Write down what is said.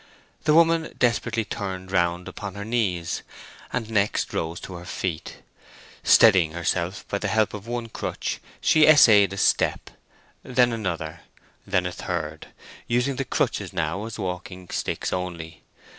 The woman desperately turned round upon her knees, and next rose to her feet. Steadying herself by the help of one crutch, she essayed a step, then another, then a third, using the crutches now as walking sticks only.